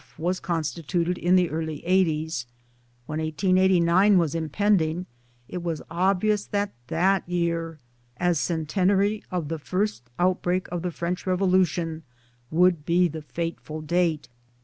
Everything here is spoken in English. D. was constituted in the early eighties ; when 1889 was impending it was obvious that that year, as centenary of the first outbreak of the French Revolution would be the fateful date.